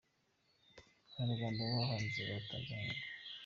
Abanyarwanda baba hanze batanze inkunga